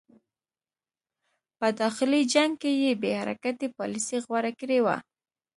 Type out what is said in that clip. په داخلي جنګ کې یې بې حرکتي پالیسي غوره کړې وه.